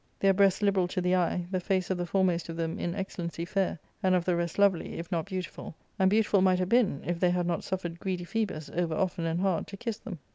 Their breasts liberal to the eye, the face of the foremost of them in excel lency fair, and of the rest lovely, if not beautiful ; and beau tiful might have been, if they had not suffered greedy Phoebus, over often and hard, to kiss them.